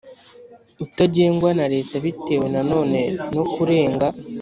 Utagengwa na leta bitewe nanone no kurenga